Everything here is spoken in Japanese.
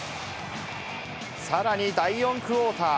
さらに第４クオーター。